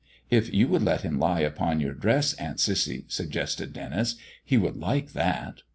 "If you would let him lie upon your dress, Aunt Cissy," suggested Denis; "he would like that."